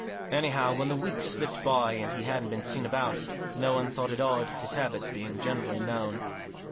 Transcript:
Anyhow, when the weeks slipped by, and he wasn't seen about, no one thought it odd, his habits being generally known.